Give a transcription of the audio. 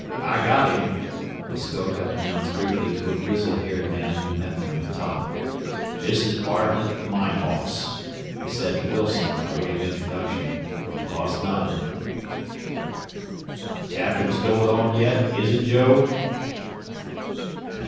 "I got him," Muskoka announced briefly to a grizzle haired man who met them at the top. "This is Bartlett, the mine boss," he said to Wilson by way of introduction. The boss nodded. "The tapping's going on yet, is it, Joe?"